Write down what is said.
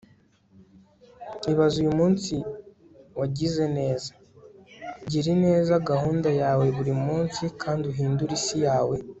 ibaze uyu munsi wagize neza? gira ineza gahunda yawe ya buri munsi kandi uhindure isi yawe